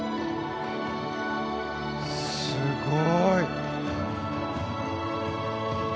すごい。